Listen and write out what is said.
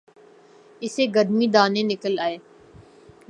اسے گرمی دانے نکل آئے